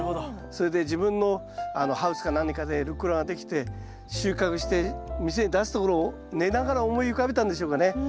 それで自分のハウスか何かでルッコラができて収穫して店に出すところを寝ながら思い浮かべたんでしょうかね。